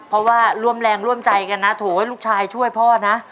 เพราะว่าร่วมแรงร่วมใจกันนะโถให้ลูกชายช่วยพ่อนะ